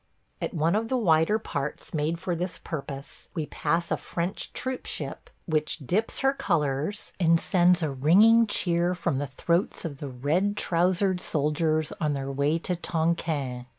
At one of the wider parts made for this purpose we pass a French troop ship which dips her colors and sends a ringing cheer from the throats of the red trousered soldiers on their way to Tonquin.